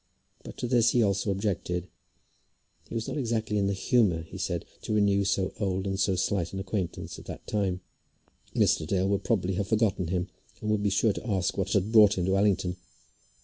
But to this he also objected. He was not exactly in the humour, he said, to renew so old and so slight an acquaintance at that time. Mr. Dale would probably have forgotten him, and would be sure to ask what had brought him to Allington.